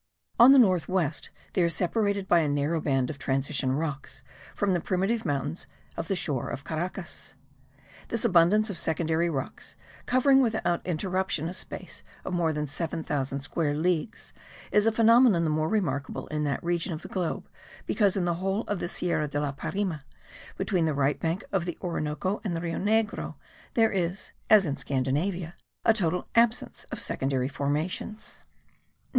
On the north west they are separated by a narrow band of transition rocks from the primitive mountains of the shore of Caracas. This abundance of secondary rocks, covering without interruption a space of more than seven thousand square leagues,* is a phenomenon the more remarkable in that region of the globe, because in the whole of the Sierra da la Parima, between the right bank of the Orinoco and the Rio Negro, there is, as in Scandinavia, a total absence of secondary formations.